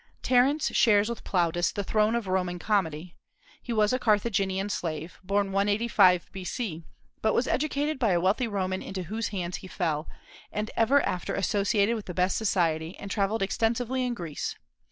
Terence shares with Plautus the throne of Roman comedy. He was a Carthaginian slave, born 185 B.C., but was educated by a wealthy Roman into whose hands he fell, and ever after associated with the best society and travelled extensively in Greece.